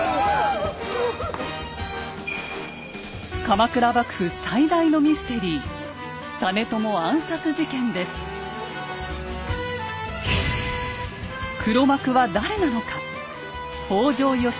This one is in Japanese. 鎌倉幕府最大のミステリー黒幕は誰なのか。